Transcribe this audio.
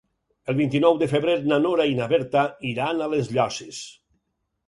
El vint-i-nou de febrer na Nora i na Berta iran a les Llosses.